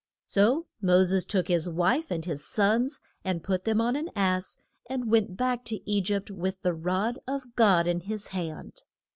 So Mo ses took his wife and his sons and put them on an ass, and went back to E gypt with the rod of God in his hand.